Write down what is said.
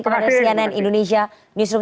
kepada cnn indonesia newsroom